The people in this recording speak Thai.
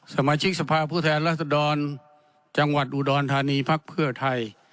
สมาชิกสภาพุทธแหลษฐฒรรณจังหวัดอุดรณฐานีภาคเพื่อไทย